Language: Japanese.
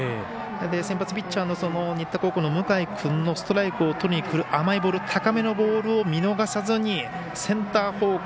先発ピッチャーの新田高校の向井君のストライクをとりにくる甘いボール高めのボールを見逃さずにセンター方向